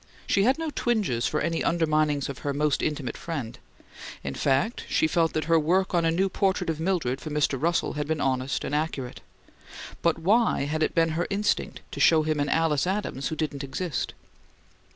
She had no twinges for any underminings of her "most intimate friend" in fact, she felt that her work on a new portrait of Mildred for Mr. Russell had been honest and accurate. But why had it been her instinct to show him an Alice Adams who didn't exist?